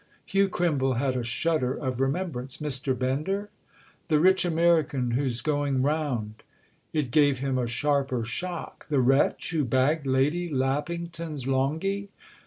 Hugh Crimble had a shudder of remembrance. "Mr. Bender?" "The rich American who's going round." It gave him a sharper shock. "The wretch who bagged Lady Lappington's Longhi?"